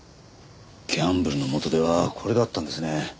ギャンブルの元手はこれだったんですね。